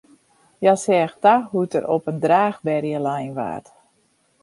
Hja seach ta hoe't er op in draachberje lein waard.